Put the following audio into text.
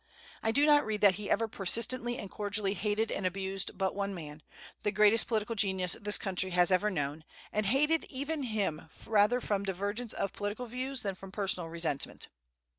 I do not read that he ever persistently and cordially hated and abused but one man, the greatest political genius this country has ever known, and hated even him rather from divergence of political views than from personal resentment.